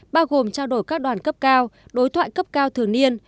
bao gồm trao đổi các đoàn cấp cao đối thoại cấp cao thường niên